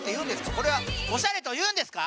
これはおしゃれというんですか！？